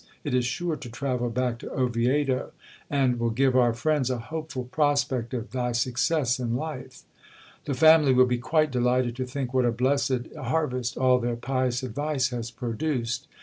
It is sure to travel back to Oviedo ; and will give our friends a hopeful prospect of thy success in life. The family will be quite delighted to think what a blessed harvest all their pious advice has pro duced.